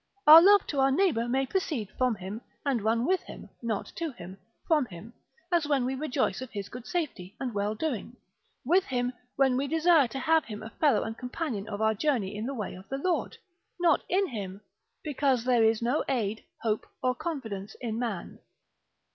Our love to our neighbour may proceed from him, and run with him, not to him: from him, as when we rejoice of his good safety, and well doing: with him, when we desire to have him a fellow and companion of our journey in the way of the Lord: not in him, because there is no aid, hope, or confidence in man.